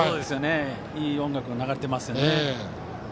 いい音楽が流れています。